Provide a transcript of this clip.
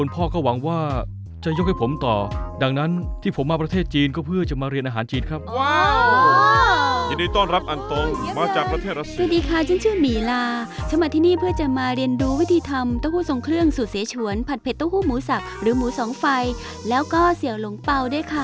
สวัสดีค่ะฉันชื่อหมีลาฉันมาที่นี่เพื่อจะมาเรียนดูวิธีทำเต้าหู้ทรงเครื่องสูตรเสชวนผัดเผ็ดเต้าหู้หมูสักหรือหมูสองไฟแล้วก็เสี่ยวหลงเปล่าด้วยค่ะ